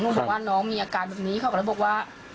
บอกว่าน้องมีอาการแบบนี้เขาก็เลยบอกว่า